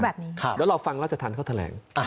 เดี๋ยวเราฟังราชธรรมเขาแถลง